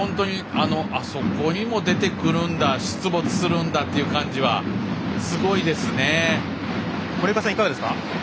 あそこにも出てくるんだ出没するんだっていう感じは森岡さん、いかがですか？